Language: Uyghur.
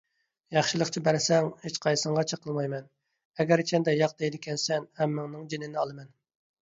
ياخشىلىقچە بەرسەڭ، ھېچقايسىڭغا چېقىلمايمەن، ئەگەرچەندە ياق دەيدىكەنسەن، ھەممىڭنىڭ جېنىنى ئالىمەن.